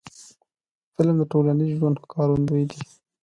فلم د ټولنیز ژوند ښکارندوی دی